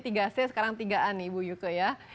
tadi tiga c sekarang tiga a nih bu yuko